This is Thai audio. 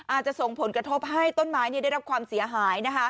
อาจจะส่งผลกระทบให้ต้นไม้ได้รับความเสียหาย